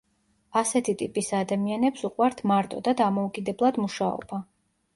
ასეთი ტიპის ადამიანებს უყვართ მარტო და დამოუკიდებლად მუშაობა.